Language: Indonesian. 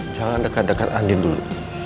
jangan dekat dekat andin dulu